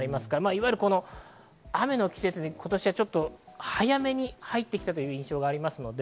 いわゆる雨の季節に早めに入ってきたという印象があります。